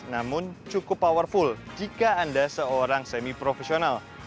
namun cukup powerful jika anda seorang semi profesional